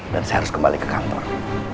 dan saya harus kembali ke kantor